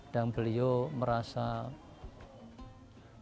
dan beliau merasa bahagia